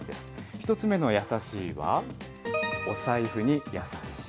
１つ目のやさしいは、お財布にやさしい。